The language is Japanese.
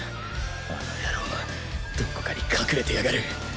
あの野郎どこかに隠れてやがる。